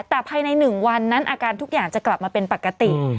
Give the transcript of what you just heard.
แต่ภายใน๑วันนั้นอาการทุกอย่างจะกลับมาเป็นปกติ